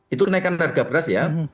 itu kenaikan harga beras ya